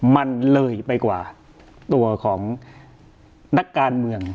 มันเลยไปกว่าตัวของนักการเมือง